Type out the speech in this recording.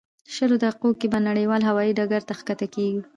شلو دقیقو کې به نړیوال هوایي ډګر ته ښکته کېږو.